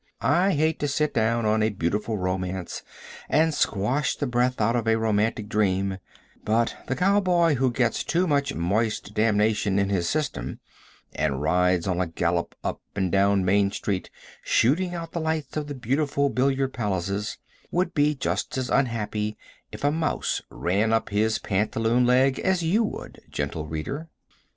I hate to sit down on a beautiful romance and squash the breath out of a romantic dream; but the cow boy who gets too much moist damnation in his system, and rides on a gallop up and down Main street shooting out the lights of the beautiful billiard palaces, would be just as unhappy if a mouse ran up his pantaloon leg as you would, gentle reader.